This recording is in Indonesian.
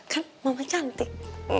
kan mama cantik